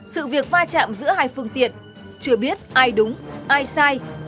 sự việc va chạm giữa hai phương tiện chưa biết ai đúng ai sai